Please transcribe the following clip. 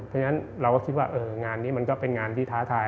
เพราะฉะนั้นเราก็คิดว่างานนี้มันก็เป็นงานที่ท้าทาย